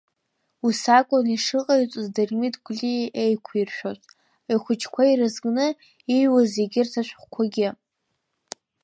Ус акәын ишыҟаиҵоз Дырмит Гәлиа еиқәиршәоз, ахәыҷқәа ирызкны ииҩуаз егьырҭ ашәҟәқәагьы.